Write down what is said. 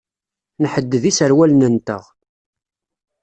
Nḥedded iserwalen-nteɣ.